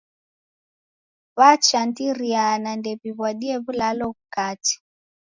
W'achandiriana ndew'iw'adie w'ulalo ghukate.